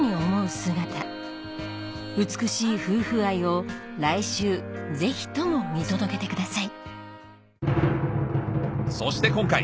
姿美しい夫婦愛を来週ぜひとも見届けてください